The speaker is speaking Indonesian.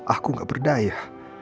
aku ga berdaya